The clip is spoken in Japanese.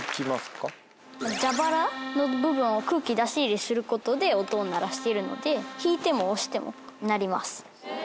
蛇腹の部分を空気出し入れすることで音を鳴らしているので引いても押しても鳴ります。